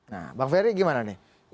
nah bang ferry gimana nih